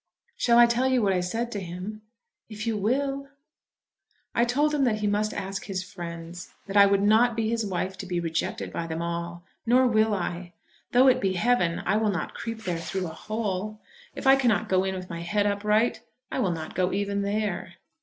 "Shall I tell you what I said to him?" "If you will." "I told him that he must ask his friends; that I would not be his wife to be rejected by them all. Nor will I. Though it be heaven I will not creep there through a hole. If I cannot go in with my head upright, I will not go even there."